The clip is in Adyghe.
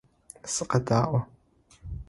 Сыкъэдаӏо!